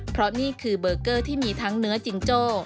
เพราะนี่คือเบอร์เกอร์ที่มีทั้งเนื้อจิงโจ้